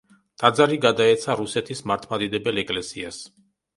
ტაძარი გადაეცა რუსეთის მართლმადიდებელ ეკლესიას.